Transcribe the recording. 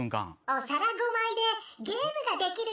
お皿５枚でゲームができるよ。